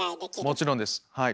もちろんですはい。